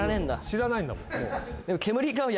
知らないんだもん。